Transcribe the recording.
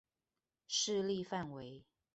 勢力範圍